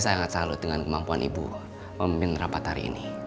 saya sangat salut dengan kemampuan ibu memimpin rapat hari ini